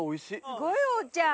すごいおうちゃん！